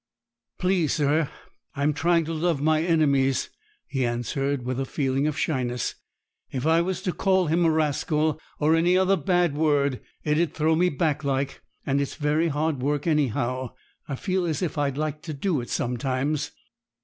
'Please, sir, I am trying to love my enemies,' he answered, with a feeling of shyness; 'if I was to call him a rascal, or any other bad word, it 'ud throw me back like, and it's very hard work anyhow. I feel as if I'd like to do it sometimes.'